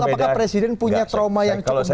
apakah presiden punya trauma yang cukup besar